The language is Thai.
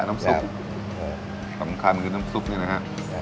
สำคัญก็คือน้ำซุปเนี่ยนะฮะ